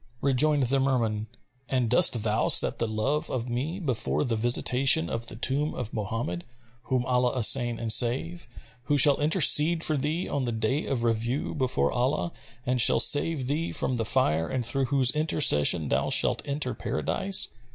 Rejoined the Merman, "And dost thou set the love of me before the visitation of the tomb of Mohammed (whom Allah assain and save!), who shall intercede for thee on the Day of Review before Allah and shall save thee from the Fire and through whose intercession thou shalt enter Paradise?